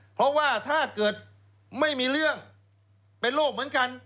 เพราะว่าถ้าเกิดไม่มีเรื่องเป็นโรคเหมือนกัน